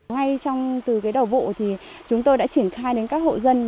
ngay từ đầu vụ chúng tôi đã triển khai đến các hộ dân